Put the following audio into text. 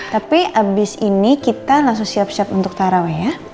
tapi abis ini kita langsung siap siap untuk taraweh ya